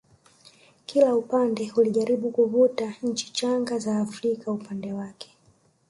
kila upande ulijaribu kuvuta nchi changa za Afrika upande wake